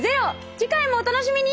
次回もお楽しみに！